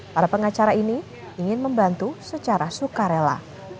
para pengacara ini ingin membantu secara sukarela